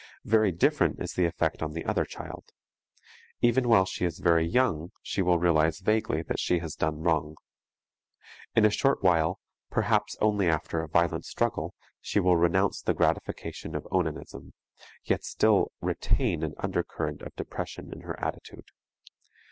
Very different is the effect on the other child. Even while she is very young she will realize vaguely that she has done wrong. In a short while, perhaps only after a violent struggle, she will renounce the gratification of onanism, yet still retain an undercurrent of depression in her attitude.